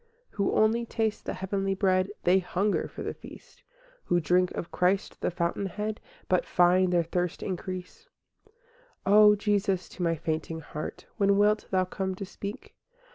VI Who only taste the heavenly bread, They hunger for the feast; Who drink of Christ, the Fountainhead, But find their thirst increase. VII O Jesus, to my fainting heart When wilt Thou come to speak?